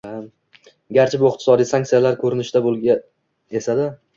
Garchi, bu iqtisodiy sanksiyalar ko‘rinishida bo‘lgan esa-da